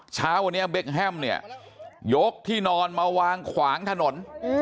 เช้าวันนี้เบคแฮมเนี่ยยกที่นอนมาวางขวางถนน